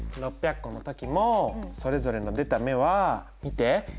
６００個の時もそれぞれの出た目は見て。